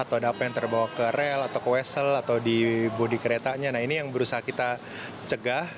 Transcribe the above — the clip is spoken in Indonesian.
atau ada apa yang terbawa ke rel atau ke wessel atau di bodi keretanya nah ini yang berusaha kita cegah